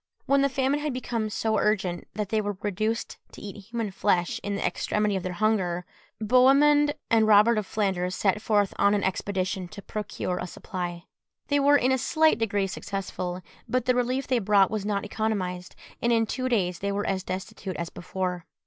When the famine had become so urgent that they were reduced to eat human flesh in the extremity of their hunger, Bohemund and Robert of Flanders set forth on an expedition to procure a supply. They were in a slight degree successful; but the relief they brought was not economised, and in two days they were as destitute as before.